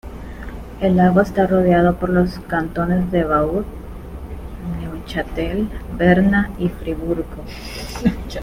El lago está rodeado por los cantones de Vaud, Neuchâtel, Berna y Friburgo.